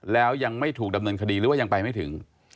แล้วยังไม่ถูกดำเนินคดีหรือว่ายังไปไม่ถึง